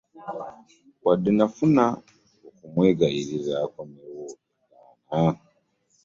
Wadde nafuba okumwegayirira akomewo yagaana.